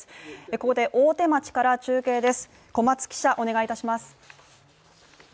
ここで大手町から中継です。